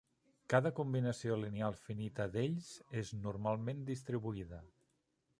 Cada combinació lineal finita d'ells és normalment distribuïda.